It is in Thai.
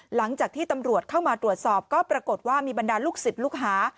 หลังจากที่ตำรวจเข้ามาตรวจสอบก็ปรากฏว่ามีบรรดาลูกศิษย์ลูกหา